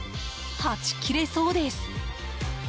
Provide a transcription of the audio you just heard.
はち切れそうです。